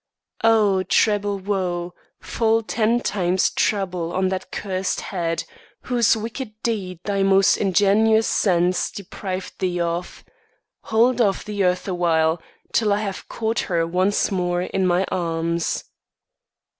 O, treble woe Fall ten times treble on that cursed head, Whose wicked deed thy most ingenious sense Depriv'd thee of! Hold off the earth awhile, Till I have caught her once more in my arms.